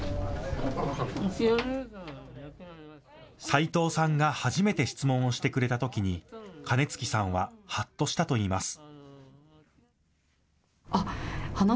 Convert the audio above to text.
斎藤さんが初めて質問をしてくれたときに金築さんははっとしたといいます。